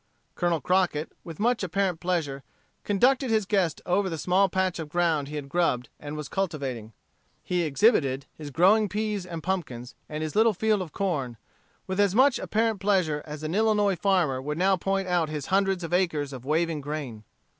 Colonel Crockett, with much apparent pleasure, conducted his guest over the small patch of ground he had grubbed and was cultivating. He exhibited his growing peas and pumpkins, and his little field of corn, with as much apparent pleasure as an Illinois farmer would now point out his hundreds of acres of waving grain.